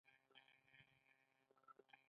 د محصولاتو برنډینګ څنګه وکړم؟